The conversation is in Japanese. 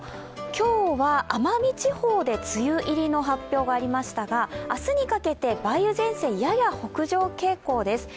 今日は奄美地方で梅雨入りの発表がありましたが明日にかけて梅雨前線、やや北上傾向です。